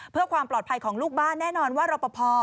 เพื่อความปลอดภัยของลูกบ้านแน่นอนว่ารอปภ